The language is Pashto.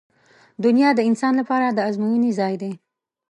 • دنیا د انسان لپاره د ازموینې ځای دی.